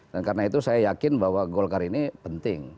dan karena itu saya yakin bahwa golkar ini penting